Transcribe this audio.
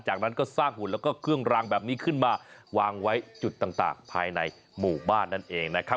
จากนั้นก็สร้างหุ่นแล้วก็เครื่องรางแบบนี้ขึ้นมาวางไว้จุดต่างภายในหมู่บ้านนั่นเองนะครับ